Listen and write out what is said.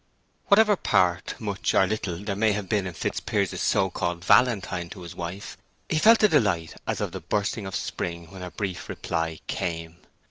Whatever part, much or little, there may have been in Fitzpiers's so called valentine to his wife, he felt a delight as of the bursting of spring when her brief reply came.